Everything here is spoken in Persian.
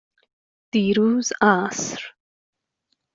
دیروز عصر.